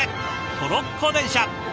トロッコ電車。